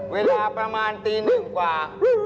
เวลาประมาณตีหนึ่งกว่า